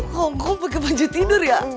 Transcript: kongkong pake baju tidur ya